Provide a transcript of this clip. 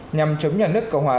nhằm chống nhà nước cộng hòa